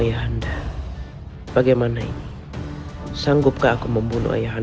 agar kau bisa menjadi raja pencejaran